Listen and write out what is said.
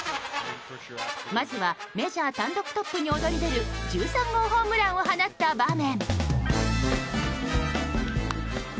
まずは、メジャー単独トップに躍り出る１３号ホームランを放った場面。